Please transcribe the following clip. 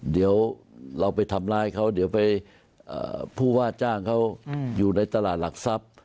เดี๋ยวเราไปทำร้ายเขาเดี๋ยวไปผู้ว่าจ้างเขาอยู่ในตลาดหลักทรัพย์